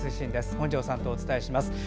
本庄さんとお伝えします。